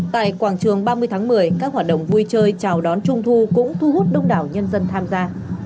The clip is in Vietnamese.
tại quảng trường ba mươi tháng một mươi các hoạt động vui chơi chào đón trung thu cũng thu hút đông đảo nhân dân tham gia